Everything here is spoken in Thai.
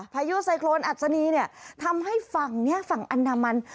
พายุไซโครนอัศนีเนี่ยทำให้ฝั่งนี้ฝั่งอันดามัน